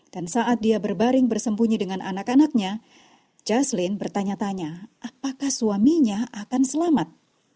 dan saat dia berbaring bersembunyi dengan anak anaknya jaseline bertanya tanya apakah suaminya akan selamat